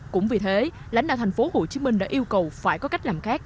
cũng vì thế lãnh đạo tp hcm đã yêu cầu phải có cách làm khác